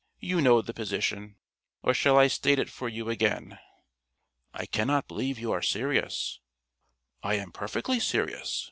You know the position. Or shall I state it for you again?" "I cannot believe you are serious." "I am perfectly serious.